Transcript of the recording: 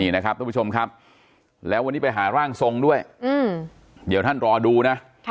นี่นะครับทุกผู้ชมครับแล้ววันนี้ไปหาร่างทรงด้วยเดี๋ยวท่านรอดูนะ